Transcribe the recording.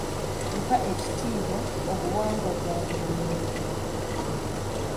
Mpa ekitiibwa obuwangwa bwa buli muntu.